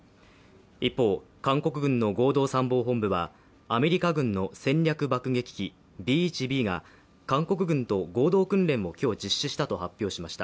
一方、韓国軍の合同参謀本部はアメリカ軍の戦略場下機器Ｂ−１Ｂが韓国軍と合同訓練を今日、実施したと発表しました。